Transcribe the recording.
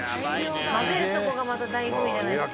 混ぜるとこがまた醍醐味じゃないですか。